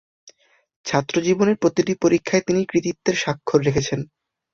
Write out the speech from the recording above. ছাত্রজীবনে প্রতিটি পরীক্ষায় তিনি কৃতিত্বের স্বাক্ষর রেখেছেন।